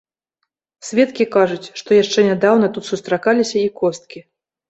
Сведкі кажуць, што яшчэ нядаўна тут сустракаліся і косткі.